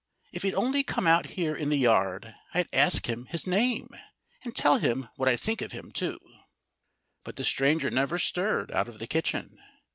"If he'd only come out here in the yard I'd ask him his name and tell him what I think of him, too." But the stranger never stirred out of the kitchen.